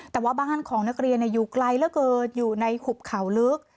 แต่ว่าบ้านของนักเรียนอยู่ไกลเหลือเกินอยู่ในหุบเขาลึก